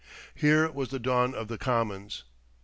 Here was the dawn of the Commons.